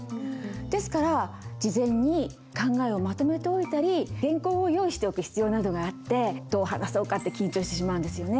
ですから事前に考えをまとめておいたり原稿を用意しておく必要などがあってどう話そうかって緊張してしまうんですよね。